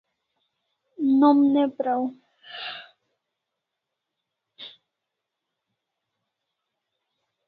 Nom ne praw